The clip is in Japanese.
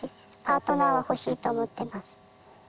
パートナーは欲しいと思ってます。